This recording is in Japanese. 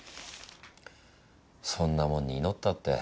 そんなもんに祈ったって。